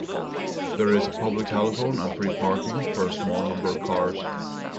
There is a public telephone and free parking for a small number of cars.